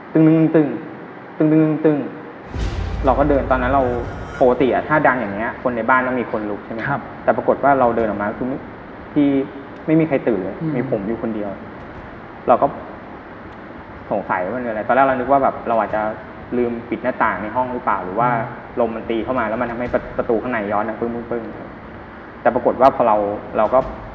ตึงตึงตึงตึงตึงตึงตึงตึงตึงตึงตึงตึงตึงตึงตึงตึงตึงตึงตึงตึงตึงตึงตึงตึงตึงตึงตึงตึงตึงตึงตึงตึงตึงตึงตึงตึงตึงตึงตึงตึงตึงตึงตึงตึงตึงตึงตึงตึงตึงตึงตึงตึงตึงตึงตึงตึง